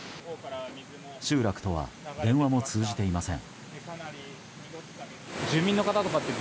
集落とは電話も通じていません。